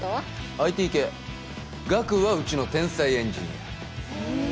ＩＴ系ガクはうちの天才エンジニアえ！